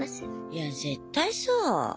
いや絶対そう。